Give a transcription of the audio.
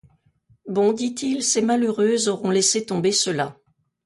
Bon, dit-il, ces malheureuses auront laissé tomber cela!